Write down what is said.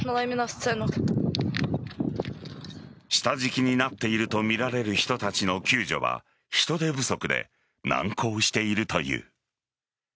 下敷きになっているとみられる人たちの救助は人手不足で難航しているという。